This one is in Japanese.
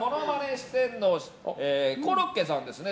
四天王コロッケさんですね。